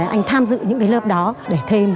anh tham dự những lớp đó để thêm